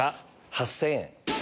８０００円。